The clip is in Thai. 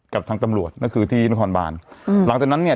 กับทางตำรวจก็คือที่นครบานอืมหลังจากนั้นเนี่ย